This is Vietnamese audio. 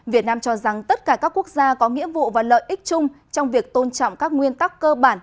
việt nam cho rằng tất cả các quốc gia có nghĩa vụ và lợi ích chung trong việc tôn trọng các nguyên tắc cơ bản